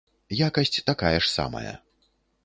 Якасць такая ж самая.